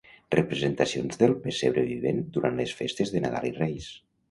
Representacions del pessebre vivent durant les festes de Nadal i Reis.